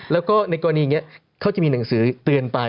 แล้วก็ในกรณีอย่างนี้เขาจะมีหนังสือเตือนไป